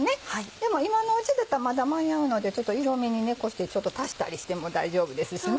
でも今のうちだとまだ間に合うのでちょっと色みにねこうしてちょっと足したりしても大丈夫ですしね。